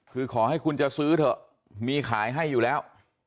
คือขอให้คุณจะซื้อเถอะมีขายให้อยู่แล้ว